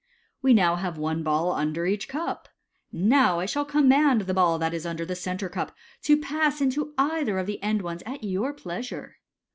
" We now have one ball under each cup. Now 1 shall command the ball that is under the centre cup to pass into either of the end ones at your pleasure.